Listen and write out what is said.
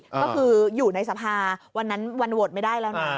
ก็คืออยู่ในสภาวันนั้นวันโหวตไม่ได้แล้วนะ